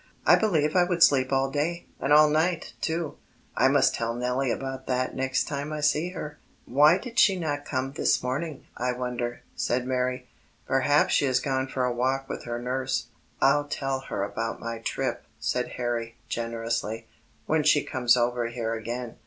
I believe I would sleep all day, and all night, too. I must tell Nellie about that next time I see her." "Why did not she come this morning, I wonder?" said Mary. "Perhaps she has gone for a walk with her nurse." "I'll tell her about my trip," said Harry generously, "when she comes over here again.